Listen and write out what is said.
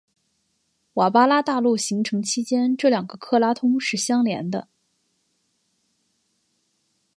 瓦巴拉大陆形成期间这两个克拉通是相连的。